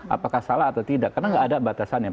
apakah salah atau tidak karena nggak ada batasan ya